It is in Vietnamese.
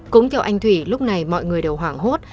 cũng theo anh thủy lúc này mọi người đều hoảng hốt